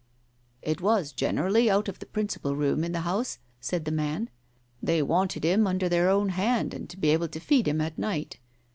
"It was generally out of the principal room in the house," said the man. "They wanted him under their own hand and to be able to feed him at night.